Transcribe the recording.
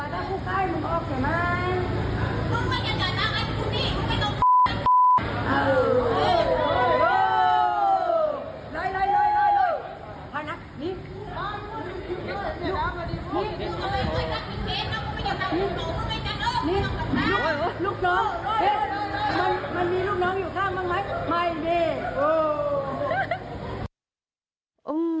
นี่นี่ลูกน้องมันมีลูกน้องอยู่ข้างบ้างไหม